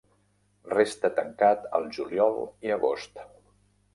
Resta tancat el juliol i agost.